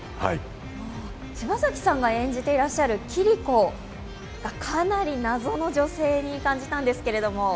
柴咲さんが演じていらっしゃるキリコ、かなり謎の女性に感じたんですけど。